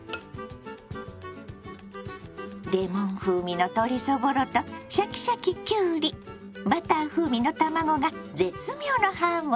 レモン風味の鶏そぼろとシャキシャキきゅうりバター風味の卵が絶妙のハーモニー！